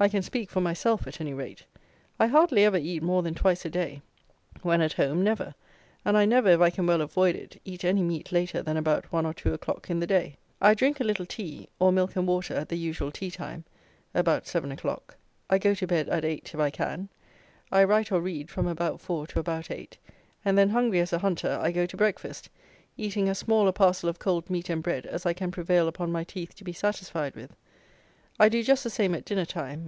I can speak for myself, at any rate. I hardly ever eat more than twice a day; when at home, never; and I never, if I can well avoid it, eat any meat later than about one or two o'clock in the day. I drink a little tea, or milk and water at the usual tea time (about 7 o'clock); I go to bed at eight, if I can; I write or read, from about four to about eight, and then hungry as a hunter, I go to breakfast, eating as small a parcel of cold meat and bread as I can prevail upon my teeth to be satisfied with. I do just the same at dinner time.